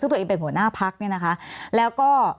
ซึ่งตัวเองเป็นหัวหน้าภาค